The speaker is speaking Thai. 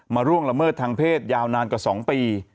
ล่วงละเมิดทางเพศยาวนานกว่า๒ปี